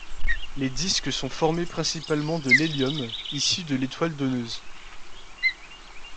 Les disques sont formés principalement de l'hélium issu de l'étoile donneuse.